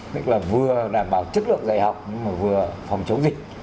tức là vừa đảm bảo chất lượng dạy học nhưng mà vừa phòng chống dịch